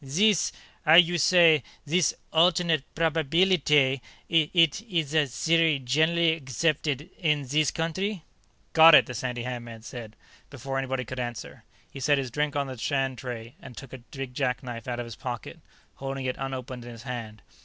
"Zees 'ow you say zees alternate probabeelitay; eet ees a theory zhenerally accept' een zees countree?" "Got it!" the sandy haired man said, before anybody could answer. He set his drink on the stand tray and took a big jackknife out of his pocket, holding it unopened in his hand.